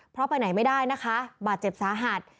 เพราะไปไหนไม่ได้นะคะบาดเจ็บสาหัส